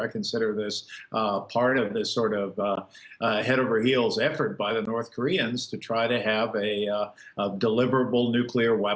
dan secara jelas bagi orang yang mengatakan bahwa kita mempunyai waktu kita bisa menggunakan